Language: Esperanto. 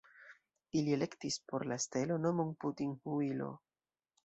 Ili elektis por la stelo nomon Putin-Huilo!.